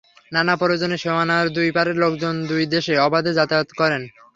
নানা প্রয়োজনে সীমানার দুই পারের লোকজন দুই দেশে অবাধে যাতায়াতও করেন।